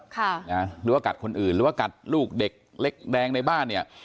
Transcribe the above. หรือว่ากัดคนอื่นหรือว่ากัดลูกเด็กเล็กแดงในบ้านเนี่ย